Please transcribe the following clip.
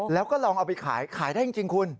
แล้วก็ลองเอาไปขายขายได้จริงคุณ